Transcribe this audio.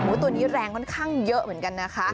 ตัวนี้แรงค่อนข้างเยอะเหมือนกันนะคะ